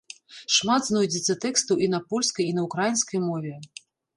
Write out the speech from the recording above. Шмат знойдзецца тэкстаў і на польскай, і на ўкраінскай мове.